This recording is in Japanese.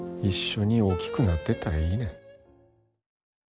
一緒に大きくなってったらいいねん。